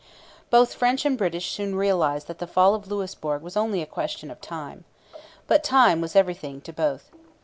Both French and British soon realized that the fall of Louisbourg was only a question of time. But time was everything to both.